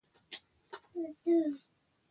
چرګې د يو بل نه په پټه د ښه بانګ کولو رازونه زده کول.